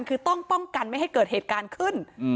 คือต้องป้องกันไม่ให้เกิดเหตุการณ์ขึ้น